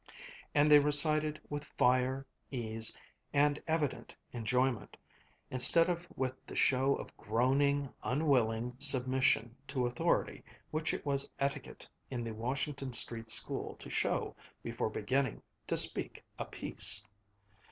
And they recited with fire, ease, and evident enjoyment, instead of with the show of groaning, unwilling submission to authority which it was etiquette in the Washington Street School to show before beginning to "speak a piece."